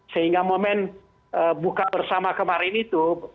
sehingga momen buka bersama kemarin itu